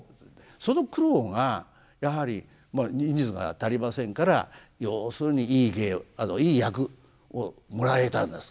その苦労がやはり人数が足りませんから要するにいい役をもらえたんです。